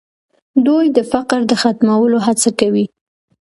دوی د فقر د ختمولو هڅه کوي.